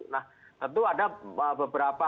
nah tentu ada beberapa